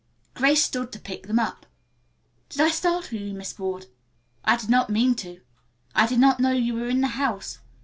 Grace stooped to pick them up. "Did I startle you, Miss Ward? I did not mean to. I did not know you were in the house.